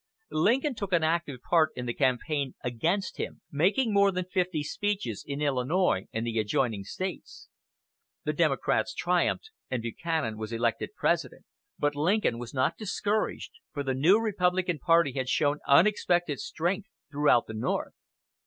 Lincoln took an active part in the campaign against him, making more than fifty speeches in Illinois and the adjoining States. The Democrats triumphed, and Buchanan was elected President; but Lincoln was not discouraged, for the new Republican party had shown unexpected strength throughout the North.